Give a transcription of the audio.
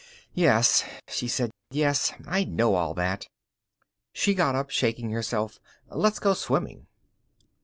"Yes," she said. "Yes, I know all that." She got up, shaking herself. "Let's go swimming."